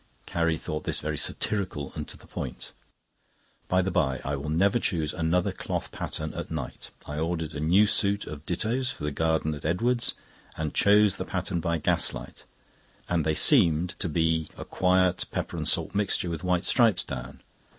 Carrie thought this very satirical, and to the point. By the by, I will never choose another cloth pattern at night. I ordered a new suit of dittos for the garden at Edwards', and chose the pattern by gaslight, and they seemed to be a quiet pepper and salt mixture with white stripes down.